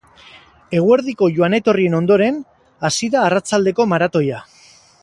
Eguerdiko joan-etorrien ondoren, hasi da arratsaldeko maratoia.